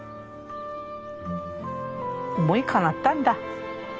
思いかなったんだ。